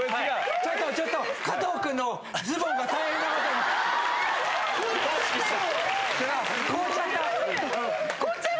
ちょっとちょっと、加藤君のズボンが大変なことに。